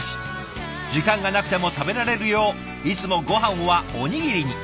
時間がなくても食べられるよういつもごはんはおにぎりに。